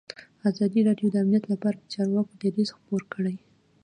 ازادي راډیو د امنیت لپاره د چارواکو دریځ خپور کړی.